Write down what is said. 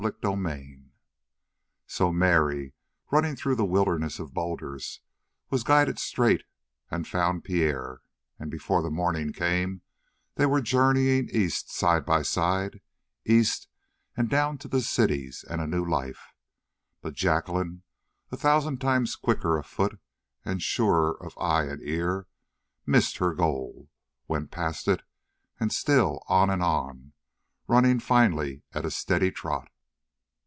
CHAPTER 38 So Mary, running through the wilderness of boulders, was guided straight and found Pierre, and before the morning came, they were journeying east side by side, east and down to the cities and a new life; but Jacqueline, a thousand times quicker of foot and surer of eye and ear, missed her goal, went past it, and still on and on, running finally at a steady trot.